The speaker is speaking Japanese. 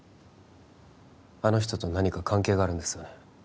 あの人と何か関係があるんですよね